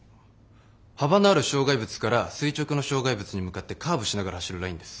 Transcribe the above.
幅のある障害物から垂直の障害物に向かってカーブしながら走るラインです。